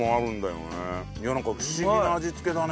なんか不思議な味付けだね。